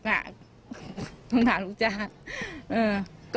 คำถามทุกจ้าง